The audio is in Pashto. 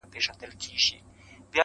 ه کټ مټ لکه ستا غزله,